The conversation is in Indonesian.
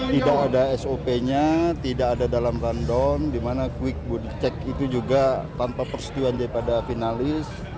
tidak ada sop nya tidak ada dalam rundown di mana quick booth check itu juga tanpa persetujuan daripada finalis